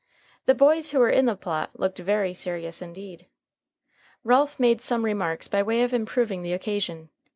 The boys who were in the plot looked very serious indeed. Ralph made some remarks by way of improving the occasion.